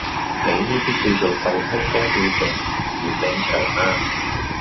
你呢啲叫做壽星公吊頸——嫌命長呀！